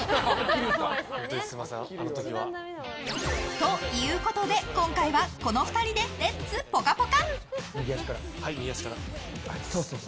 ということで今回はこの２人でレッツぽかぽか！